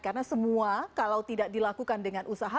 karena semua kalau tidak dilakukan dengan usaha